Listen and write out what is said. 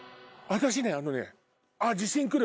私ねあのね。